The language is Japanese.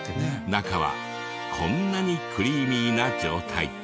中はこんなにクリーミーな状態。